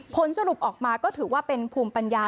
ผลสรุปออกมาก็ถือว่าเป็นภูมิปัญญา